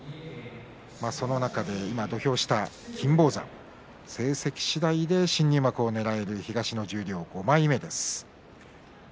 その中で今、土俵下の金峰山成績次第で新入幕をねらえる東の十両５枚目です。